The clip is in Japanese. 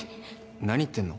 何言ってんの？